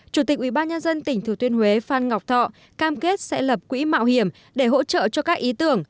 chủ tịch ủy ban nhân dân tỉnh thừa thiên huế phan ngọc thọ cam kết sẽ lập quỹ mạo hiểm để hỗ trợ cho các ý tưởng